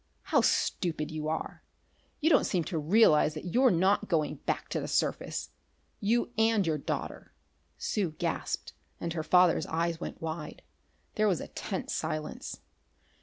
How stupid you are! You don't seem to realize that you're not going back to the surface. You and your daughter." Sue gasped, and her father's eyes went wide. There was a tense silence.